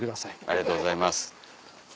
ありがとうございます。